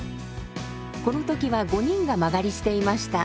この時は５人が間借りしていました。